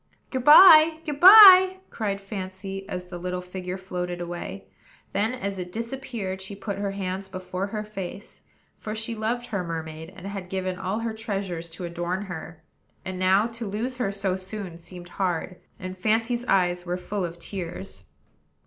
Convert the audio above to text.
"Good by! good by!" cried Fancy, as the little figure floated away; then, as it disappeared, she put her hands before her face, for she loved her mermaid, and had given all her treasures to adorn her; and now to lose her so soon seemed hard, and Fancy's eyes were full of tears.